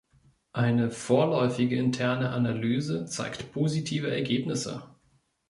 Eine vorläufige interne Analyse zeigt positive Ergebnisse.